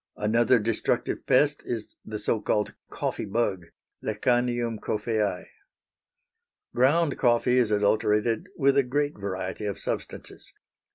Another destructive pest is the so called coffee bug (Lecanium coffeæ). Ground coffee is adulterated with a great variety of substances.